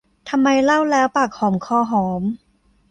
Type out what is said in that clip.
ทำไมเล่าแล้วปากหอมคอหอม